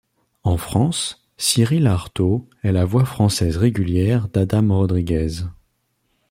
En France, Cyrille Artaux est la voix française régulière d'Adam Rodriguez.